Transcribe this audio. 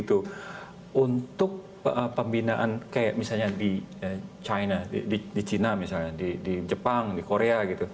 untuk pembinaan kayak misalnya di china di china misalnya di jepang di korea gitu